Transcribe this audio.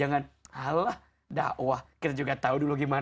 jangan alah dakwah kita juga tahu dulu gimana